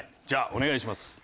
じゃあお願いします。